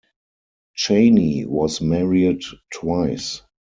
Chaney was married twice.